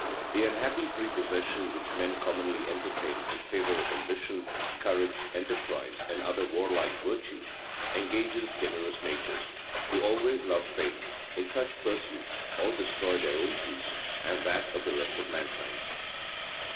The unhappy prepossession which men commonly entertain in favor of ambition, courage, enterprise, and other warlike virtues, engages generous natures, who always love fame, in such pursuits all destroy their own peace, and that of the rest of mankind.